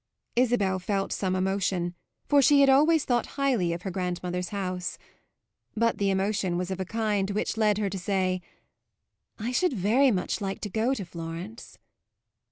Isabel felt some emotion, for she had always thought highly of her grandmother's house. But the emotion was of a kind which led her to say: "I should like very much to go to Florence."